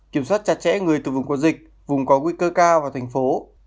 kiểm soát chặt chẽ người từ vùng có dịch vùng có nguy cơ cao vào thành phố